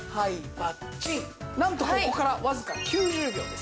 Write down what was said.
なんとここからわずか９０秒です。